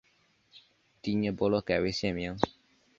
第聂伯罗改为现名。